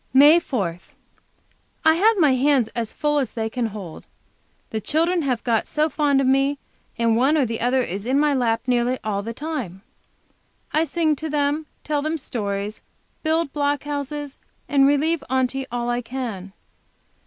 MAY 4. I have my hands as full as they can hold. The children have got so fond of me, and one or the other is in my lap nearly all the time. I sing to them, tell them stories, build block houses, and relieve Aunty all I can.